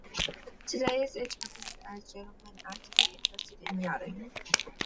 Today this is interpreted as a gentleman "actively interested in yachting".